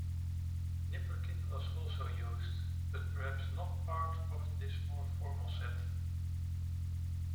Nipperkin was also used, but perhaps not part of this more formal set.